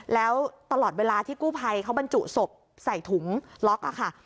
แล้วตลอดเวลาที่กู้ภัยเขาบรรจุศพใส่ถุงล็อกค่ะ